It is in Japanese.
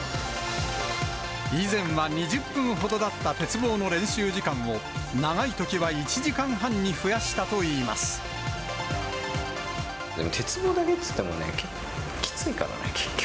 以前は２０分ほどだった鉄棒の練習時間を、長いときは１時間でも、鉄棒だけっていってもね、結構きついからね、結局。